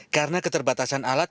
karena keterbatasan alat